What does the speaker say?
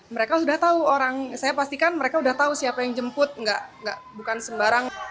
mereka sudah tahu orang saya pastikan mereka sudah tahu siapa yang jemput bukan sembarang